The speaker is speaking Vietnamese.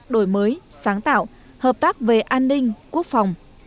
đổi mới sáng tạo hợp tác về an ninh quốc phòng